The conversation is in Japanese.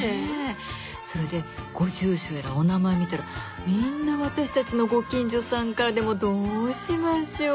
それでご住所やらお名前見たらみんな私たちのご近所さんからでもうどうしましょ。